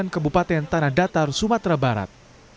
ke bupaten tanah datar sumatera barat